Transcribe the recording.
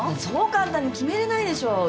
そう簡単に決めれないでしょ。